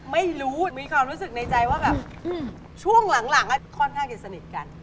ไม่รู้มีความรู้สึกในใจว่าช่วงหลังเราค่อนข้างจะสนิทกัน